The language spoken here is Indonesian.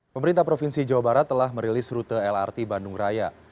pemerintah provinsi jawa barat telah merilis rute lrt bandung raya